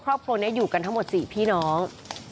ครอบครัวนี้อยู่กันทั้งหมด๔พี่น้อง